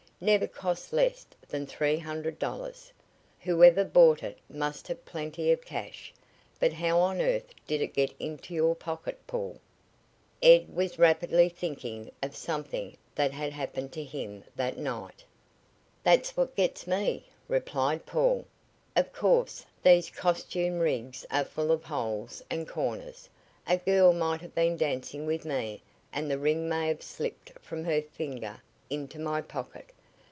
Never cost less than three hundred dollars. Whoever bought it must have plenty of cash. But how on earth did it get into your pocket, Paul?" Ed was rapidly thinking of something that had happened to him that nigh. "That's what gets me," replied Paul. "Of course, these costume rigs are full of holes and corners. A girl might have been dancing with me, and the ring may have slipped from her finger into my pocket.